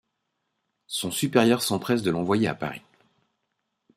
Son supérieur s'empresse de l'envoyer à Paris.